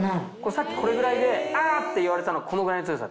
さっきこれぐらいで「あ！」って言われたのこのぐらいの強さです。